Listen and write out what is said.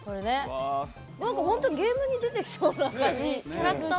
本当、ゲームに出てきそうな感じ。